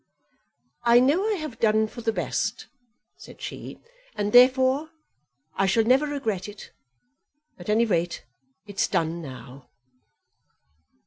"I know I have done for the best," said she, "and therefore I shall never regret it; at any rate, it's done now."